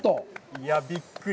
いや、びっくり。